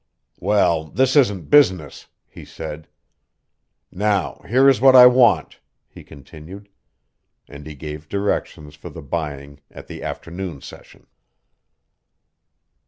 "Well, this isn't business," he said. "Now here is what I want," he continued. And he gave directions for the buying at the afternoon session.